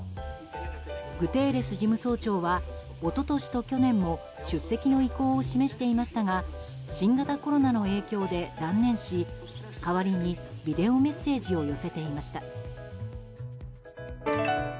グテーレス事務総長は一昨年と去年も出席の意向を示していましたが新型コロナの影響で断念し代わりにビデオメッセージを寄せていました。